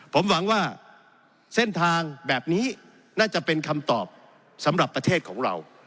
ผมหวังว่าเส้นทางแบบนี้น่าจะเป็นคำตอบสำหรับประเทศของเรา